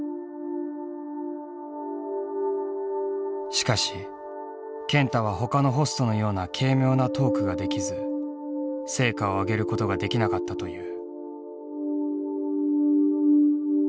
しかし健太はほかのホストのような軽妙なトークができず成果をあげることができなかったという。